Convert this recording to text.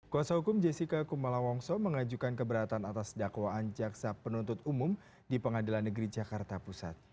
kuasa hukum jessica kumala wongso mengajukan keberatan atas dakwaan jaksa penuntut umum di pengadilan negeri jakarta pusat